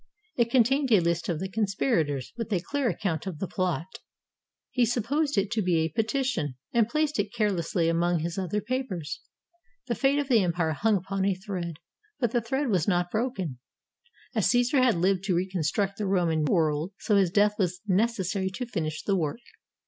It con tained a list of the conspirators, with a clear account of the plot. He supposed it to be a petition, and placed it carelessly among his other papers. The fate of the empire hung upon a thread, but the thread was not broken. As Caesar had lived to reconstruct the Roman world, so his death was necessary to finish the work.